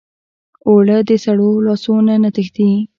اوړه د سړو لاسو نه تښتي